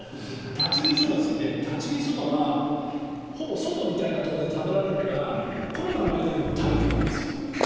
立ち食いそば好きで立ち食いそばはほぼ外みたいなところで食べられるから、コロナの間でも食べてたんですよ。